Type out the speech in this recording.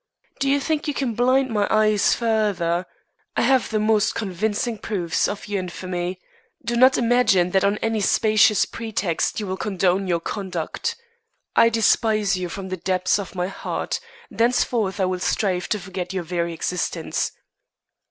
Do you think you can blind my eyes further? I have the most convincing proofs of your infamy. Do not imagine that on any specious pretext I will condone your conduct. I despise you from the depths of my heart. Henceforth I will strive to forget your very existence."